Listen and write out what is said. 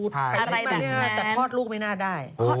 แต่พอดลูกไม่น่าได้